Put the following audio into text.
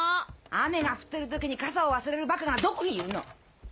雨が降ってる時に傘を忘れるバカがどこにいるの！